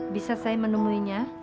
bisa saya menemuinya